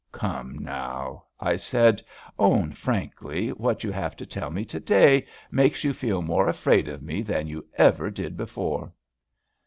"Come now," I said, "own frankly, what you have to tell me to day makes you feel more afraid of me than you ever did before."